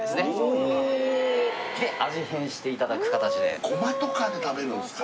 おっで味変していただく形でゴマとかで食べるんすか？